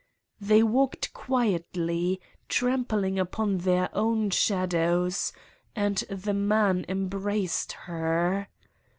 They walked quietly, tram pling upon their own shadows, and the man em braced her.